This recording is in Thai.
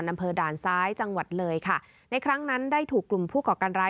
อำเภอด่านซ้ายจังหวัดเลยค่ะในครั้งนั้นได้ถูกกลุ่มผู้ก่อการร้าย